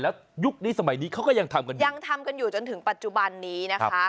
แล้วยุคนี้สมัยนี้เขาก็ยังทำกันอยู่ยังทำกันอยู่จนถึงปัจจุบันนี้นะคะ